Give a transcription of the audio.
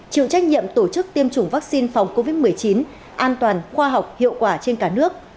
chịu trách nhiệm tổ chức tiêm chủng vaccine phòng covid một mươi chín an toàn khoa học hiệu quả trên cả nước